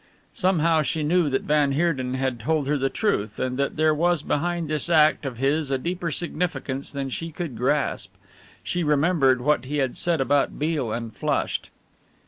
Somehow she knew that van Heerden had told her the truth, and that there was behind this act of his a deeper significance than she could grasp. She remembered what he had said about Beale, and flushed.